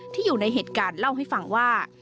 อยู่ในเหตุการณ์เล่าให้ฟังว่า